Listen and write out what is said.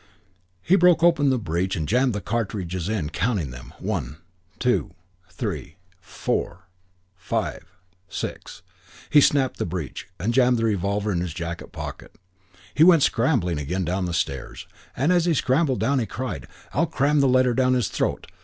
He broke open the breech and jammed the cartridges in, counting them, "One, two, three, four, five, six!" He sapped up the breech and jammed the revolver in his jacket pocket. He went scrambling again down the stairs, and as he scrambled down he cried, "I'll cram the letter down his throat.